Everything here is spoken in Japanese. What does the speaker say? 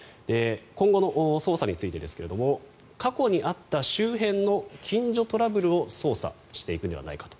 今後の捜査についてですが過去にあった周辺の近所トラブルを捜査していくんではないかと。